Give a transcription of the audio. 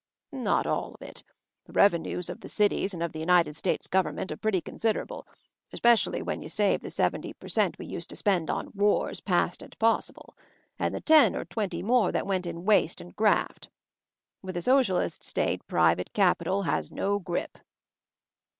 "Not all of it. The revenues of the cities and of the United States Government are pretty considerable, especially when you save the seventy per cent, we used to spend on ..\ MOVING THE MOUNTAIN 267 , j a <r wars past and possible ; and the ten or twenty more that went in waste and graft. With a Socialist State private Capital has no grip!"